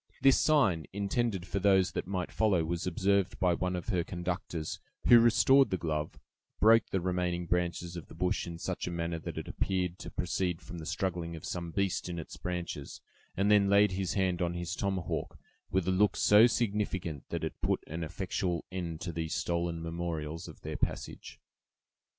This sign, intended for those that might follow, was observed by one of her conductors, who restored the glove, broke the remaining branches of the bush in such a manner that it appeared to proceed from the struggling of some beast in its branches, and then laid his hand on his tomahawk, with a look so significant, that it put an effectual end to these stolen memorials of their passage.